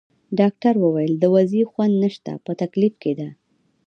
ډاکټر وویل: د وضعې خوند نشته، په تکلیف کې ده.